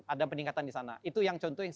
ada peningkatan di sana itu yang contoh yang